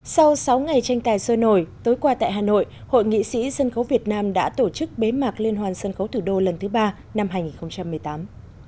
sau sáu ngày tranh tài sôi nổi tối qua tại hà nội hội nghị sĩ sân khấu việt nam đã tổ chức bế mạc liên hoàn sân khấu thủ đô lần thứ ba năm hai nghìn một mươi tám